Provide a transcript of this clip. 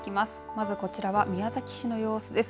まずこちらは宮崎市の様子です。